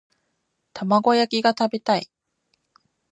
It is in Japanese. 玉子焼きが食べたい